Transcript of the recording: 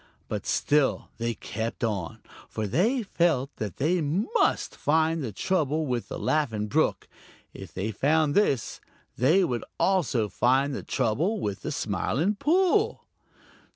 But still they kept on, for they felt that they must find the trouble with the Laughing Brook. If they found this, they would also find the trouble with the Smiling Pool.